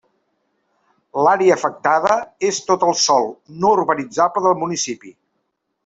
L'àrea afectada és tot el sòl no urbanitzable del municipi.